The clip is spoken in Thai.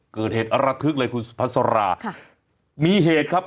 เกิดเหตุระทึกเลยคุณสุพัสราค่ะมีเหตุครับ